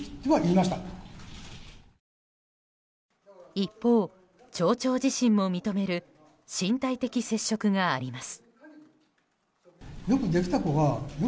一方、町長自身も認める身体的接触があります。